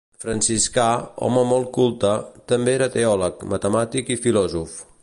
Franciscà, home molt culte, també era teòleg, matemàtic i filòsof.